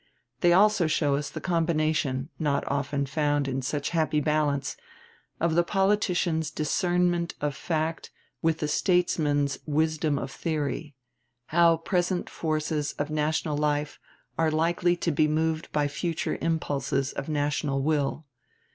They also show us the combination, not often found in such happy balance, of the politician's discernment of fact with the statesman's wisdom of theory how present forces of national life are likely to be moved by future impulses of national will.